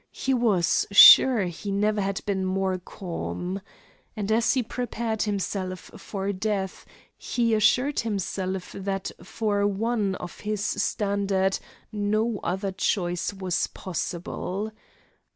He was sure he never had been more calm. And as he prepared himself for death he assured himself that for one of his standard no other choice was possible.